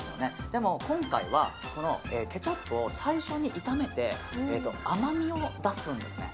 でも、今回はこのケチャップを最初に炒めて甘みを出すんですね。